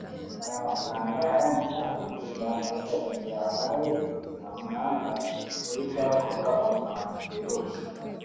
Aya mafaranga aramutse ahari byafasha igihe habaye ibiza runaka guhita hakorwa ubutabazi bwihuse